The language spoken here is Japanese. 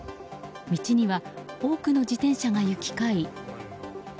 道には多くの自転車が行き交い。